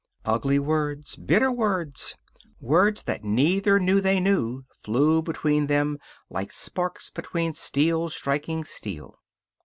Ugly words. Bitter words. Words that neither knew they knew flew between them like sparks between steel striking steel.